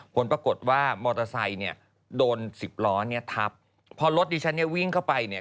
ผลปรากฏว่ามอเตอร์ไซค์เนี่ยโดนสิบล้อเนี่ยทับพอรถดิฉันเนี่ยวิ่งเข้าไปเนี่ย